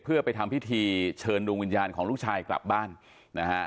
เพื่อไปทำพิธีเชิญดวงวิญญาณของลูกชายกลับบ้านนะฮะ